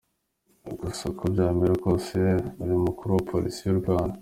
Gusa uko byamera kose uri umukuru wa Police y’U Rwanda.